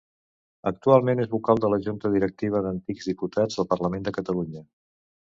Actualment és vocal de la Junta Directiva d'Antics Diputats del Parlament de Catalunya.